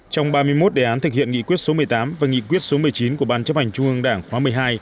trong ba mươi một đề án thực hiện nghị quyết số một mươi tám và nghị quyết số một mươi chín của ban chấp hành trung ương đảng khóa một mươi hai